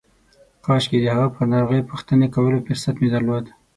کاشکې د هغه پر ناروغۍ پوښتنې کولو فرصت مې درلود.